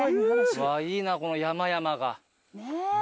いいなこの山々が。ねえ。